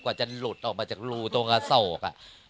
กว่าจะหลุดออกมาจากรูตรงอโศก